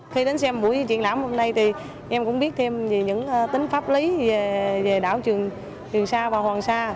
khi đến xem buổi triển lãm hôm nay thì em cũng biết thêm về những tính pháp lý về đảo trường sa và hoàng sa